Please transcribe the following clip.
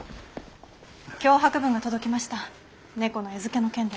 脅迫文が届きました猫の餌付けの件で。